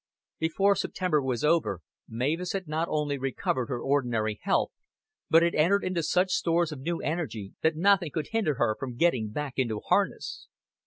Before September was over Mavis had not only recovered her ordinary health, but had entered into such stores of new energy that nothing could hinder her from getting back into harness.